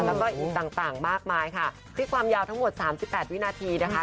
แล้วก็อีกต่างมากมายค่ะพลิกความยาวทั้งหมด๓๘วินาทีนะคะ